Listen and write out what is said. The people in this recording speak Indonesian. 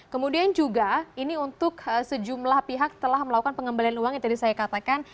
kemudian juga ini untuk sejumlah pihak telah melakukan pengembalian uang yang tadi saya katakan